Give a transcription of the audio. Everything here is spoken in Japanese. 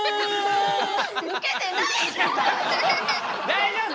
大丈夫！